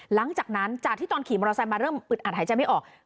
หลังจากนั้นจากที่ตอนขี่มอเตอร์ไซค์มาเริ่มอึดอัดหายใจไม่ออก